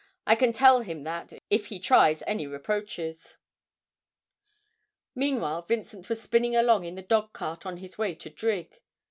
I can tell him that if he tries any reproaches!' Meanwhile Vincent was spinning along in the dog cart on his way to Drigg.